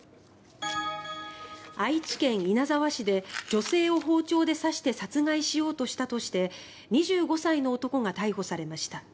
愛知県稲沢市で女性を包丁で刺して殺害しようとしたとして２５歳の男が逮捕されました。